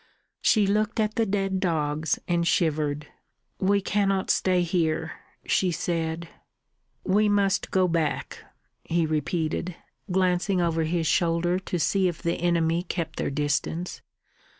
She looked at the dead dogs, and shivered. "We cannot stay here," she said. "We must go back," he repeated, glancing over his shoulder to see if the enemy kept their distance.